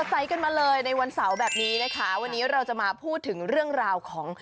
ใส่กันมาเลยในวันเสาร์แบบนี้นะคะวันนี้เราจะมาพูดถึงเรื่องราวของ